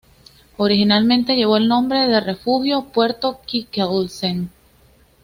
Originalmente llevó el nombre de refugio Puerto Mikkelsen.